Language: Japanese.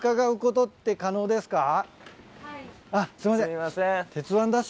あっすいません。